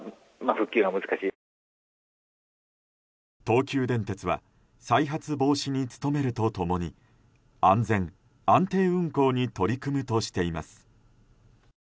東急電鉄は再発防止に努めると共に安全・安定運行に取り組むとしています。